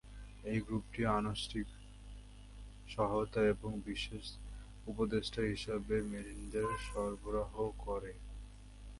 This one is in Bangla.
এই গ্রুপটি আনুষ্ঠানিক সহায়তা এবং বিশেষ উপদেষ্টা হিসাবে মেরিনদের সরবরাহ করে।